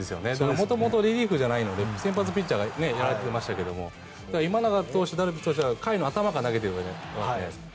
元々リリーフじゃないので先発ピッチャーをやられているので今永投手、ダルビッシュ投手は回の頭から投げているわけじゃないですか。